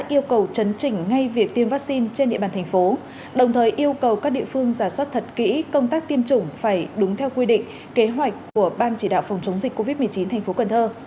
yêu cầu việc tiêm vắc xin phải đúng quy định đồng thời yêu cầu các địa phương giả soát thật kỹ công tác tiêm chủng phải đúng theo quy định kế hoạch của ban chỉ đạo phòng chống dịch covid một mươi chín thành phố cần thơ